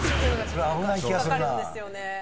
これ危ない気がするな。